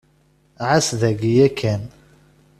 Ɛas daki yakan.